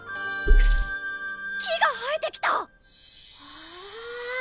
木が生えてきた！